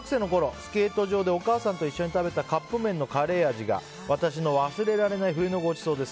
スケート場でお母さんと一緒に食べたカップ麺のカレー味が私の忘れられない冬のごちそうです。